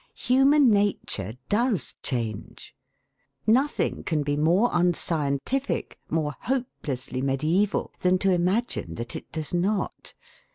Human nature does change. Nothing can be more unscientific, more hopelessly mediæval, than to imagine that it does not.